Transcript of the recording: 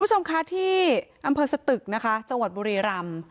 คุณผู้ชมคะที่อำเภอสตึกนะคะจังหวัดบุรีรำ